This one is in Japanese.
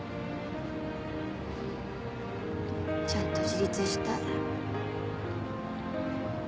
ちゃんと自立したい。